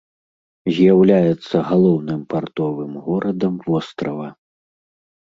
З'яўляецца галоўным партовым горадам вострава.